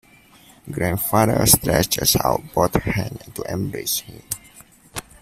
Grandfather stretches out both hands to embrace him.